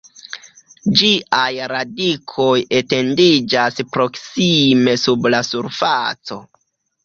Ĝiaj radikoj etendiĝas proksime sub la surfaco.